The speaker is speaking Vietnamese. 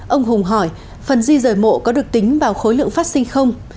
ông hùng hỏi phần di rời mộ có được tính vào khối lượng phát sinh không